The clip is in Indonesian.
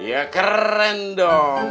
iya keren dong